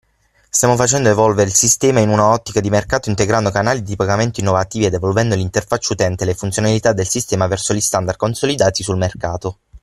Stiamo facendo evolvere il sistema in una ottica di mercato integrando canali di pagamento innovativi ed evolvendo l’interfaccia utente e le funzionalità del sistema verso gli standard consolidati sul mercato.